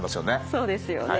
そうですよね